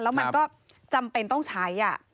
แล้วมันก็จำเป็นต้องใช้